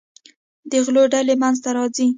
د غلو ډلې منځته راځي.